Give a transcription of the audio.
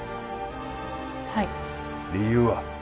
はい理由は？